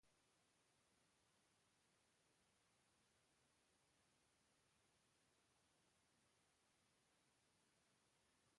Cascading Style Sheets (CSS) estiliza páginas web.